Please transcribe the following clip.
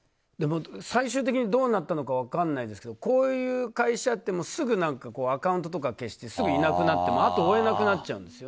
最終的にどうなったのか分からないですがこういう会社ってすぐアカウントと書けしていなくなって後を追えなくなっちゃうんですよ。